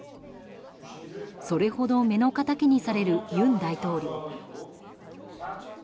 それほど目の敵にされる尹大統領。